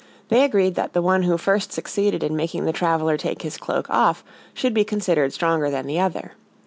They agreed that the one who first succeeded in making the traveler take his cloak off should be considered stronger than the other.